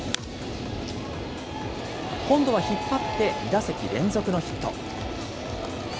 今度は引っ張って２打席連続のヒット。